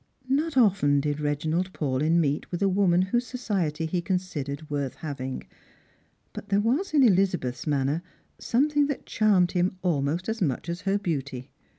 JSTot often did Keginald Paulyn meet with a woman whose society he considered worth having ; but there was in Eliza beth's manner something that charmed him almost as much as her beauty.